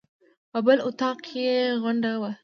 په بل اطاق کې یې غونډه وه.